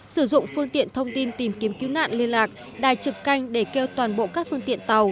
sử dụng phương tiện thông tin tìm kiếm cứu nạn liên lạc đài trực canh để kêu toàn bộ các phương tiện tàu